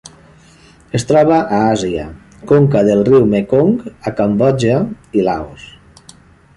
Es troba a Àsia: conca del riu Mekong a Cambodja i Laos.